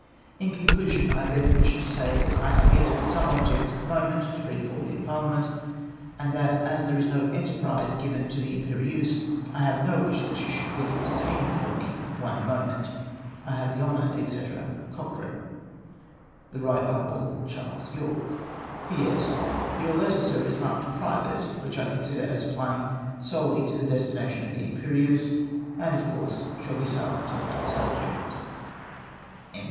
" In conclusion, I beg permission to say that I have yet some objects of moment to bring forward in Parliament, and that as there is no enterprise given to the Imperieuse, I have no wish that she should be detained for me one moment. " I have the honour, &c., "Cochrane. " The Riglit Hon. Chas. Yorke. " P.S. Your letter. Sir, is marked ' private,' which 1 con sider as applying solely to the destination of the Imperieuse, and, of course, shall be silent on that subject."